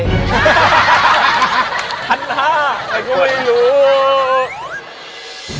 พันห้าไม่รู้